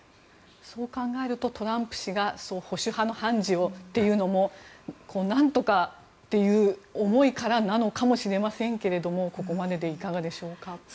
そう考えるとトランプ氏が保守派の判事をというのも何とかという思いからなのかもしれませんけどここまで、いかがですか？